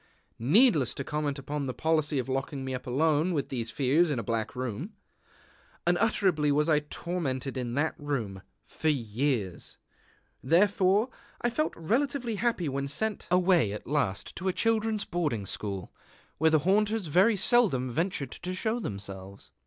Needless to comment upon the policy of locking me up alone with these fears in a black room. Unutterably was I tormented in that room for years! Therefore I felt relatively happy when sent away at last to a children's boarding school, where the haunters very seldom ventured to show themselves.